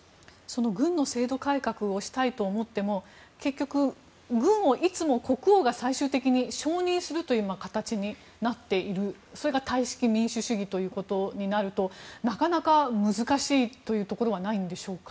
軍の制度改革をしたいと思っても結局、軍はいつも国王が最終的に承認するという形になっているそれがタイ式民主主義となるとなかなか難しいところはないんでしょうか。